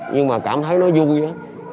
nhưng mà cảm thấy nó vui á